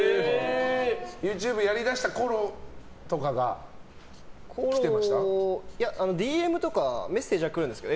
ＹｏｕＴｕｂｅやりだしたころとかがＤＭとかメッセージは来るんですけど。